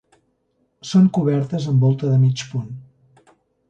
Són cobertes amb volta de mig punt.